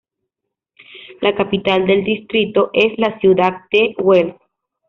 La capital del distrito es la ciudad de Wels.